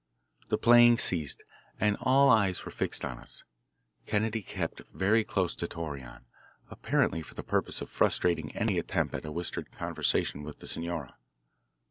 The playing ceased, and all eyes were fixed on us. Kennedy kept very close to Torreon, apparently for the purpose of frustrating any attempt at a whispered conversation with the senora.